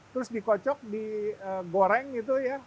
terus dikocok digoreng gitu ya